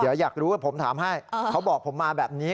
เดี๋ยวอยากรู้ว่าผมถามให้เขาบอกผมมาแบบนี้